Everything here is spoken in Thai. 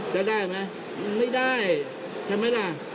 จะได้ไหมไม่ได้ใช่ไหมล่ะ